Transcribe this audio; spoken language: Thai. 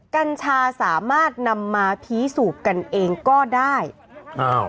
กัญชาสามารถนำมาพีสูบกันเองก็ได้อ้าว